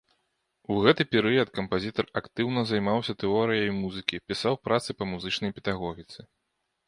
У гэты перыяд кампазітар актыўна займаўся тэорыяй музыкі, пісаў працы па музычнай педагогіцы.